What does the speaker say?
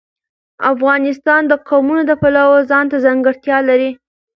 افغانستان د قومونه د پلوه ځانته ځانګړتیا لري.